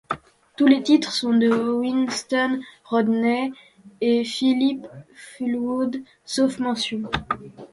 Tous les titres sont de Winston Rodney et Phillip Fullwood, sauf mentions.